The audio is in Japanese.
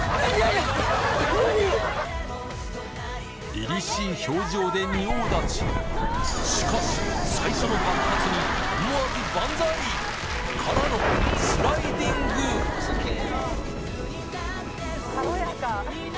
何⁉りりしい表情で仁王立ちしかし最初の爆発に思わず万歳！からのスライディング軽やか！